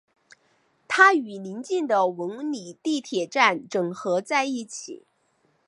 它与临近的文礼地铁站整合在一起。